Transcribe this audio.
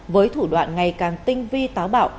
với thủ đoạn ngày càng tinh vi táo bạo